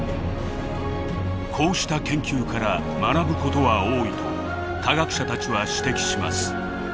こうした研究から学ぶことは多いと科学者たちは指摘します。